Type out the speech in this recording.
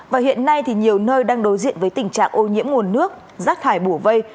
và hiện nay thì nhiều nơi đang đối diện với tình trạng ô nhiễm nguồn nước rác thải bổ vây